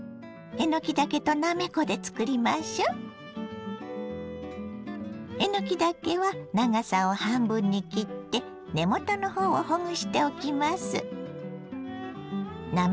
えのきだけは長さを半分に切って根元のほうをほぐしておきます。